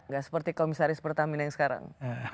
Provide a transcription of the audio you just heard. gak seperti komisaris pertamina yang sekarang